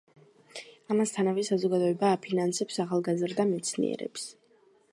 ამასთანავე საზოგადოება აფინანსებს ახალგაზრდა მეცნიერებს.